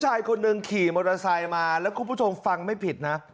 ชายคนหนึ่งขี่มอเตอร์ไซค์มาแล้วคุณผู้ชมฟังไม่ผิดนะ